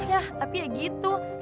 yah tapi ya gitu kan